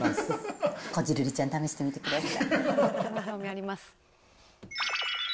こじるりちゃん、試してみてください。